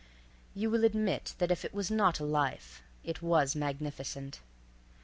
You will admit that if it was not life it was magnificent.